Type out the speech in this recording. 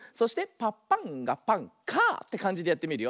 「パパンがパンカァ」ってかんじでやってみるよ。